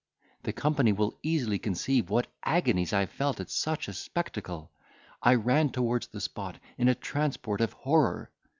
"The company will easily conceive what agonies I felt at such a spectacle! I ran towards the spot in a transport of horror!